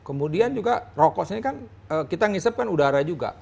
kemudian juga rokok ini kan kita ngisep kan udara juga